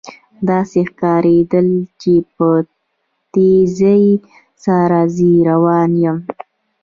داسې ښکارېدل چې په تېزۍ سره ځنې روان یم.